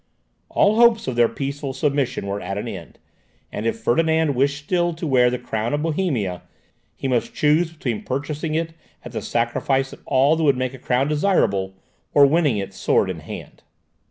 All hopes of their peaceful submission were at an end, and if Ferdinand wished still to wear the crown of Bohemia, he must choose between purchasing it at the sacrifice of all that would make a crown desirable, or winning it sword in hand.